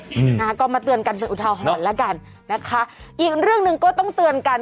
อืมนะคะก็มาเตือนกันเป็นอุทาหรณ์แล้วกันนะคะอีกเรื่องหนึ่งก็ต้องเตือนกัน